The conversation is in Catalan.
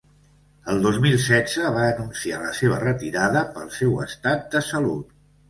El dos mil setze va anunciar la seva retirada pel seu estat de salut.